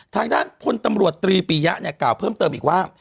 ทางด้านพลตำรวจตรีปียะเนี่ยกล่าวเพิ่มเติมอีกว่า